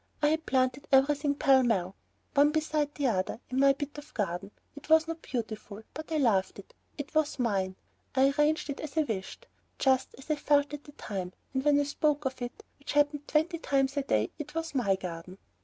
I had planted everything pell mell, one beside the other, in my bit of garden: it was not beautiful, but I loved it. It was mine. I arranged it as I wished, just as I felt at the time, and when I spoke of it, which happened twenty times a day, it was "My garden."